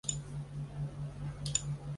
曾是中国拳击队员。